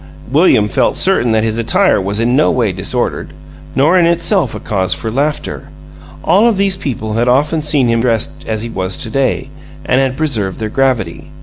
William felt certain that his attire was in no way disordered, nor in itself a cause for laughter; all of these people had often seen him dressed as he was to day, and had preserved their gravity.